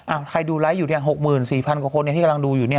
อ่าใครดูไลค์อยู่เนี่ยหกหมื่นสี่พันกว่าคนเนี่ยที่กำลังดูอยู่เนี่ย